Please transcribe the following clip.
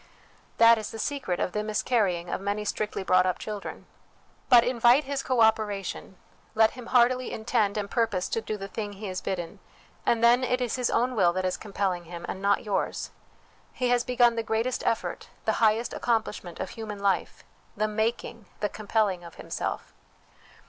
That is the secret of the mis carrying of many strictly brought up children. But invite his co operation, let him heartily intend and purpose to do the thing he is bidden, and then it is his own will that is compelling him, and not yours ; he has begun the greatest effort, the highest accom plishment of human life the making, the compelling of himself.